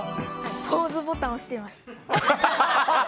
ポーズボタン押してました。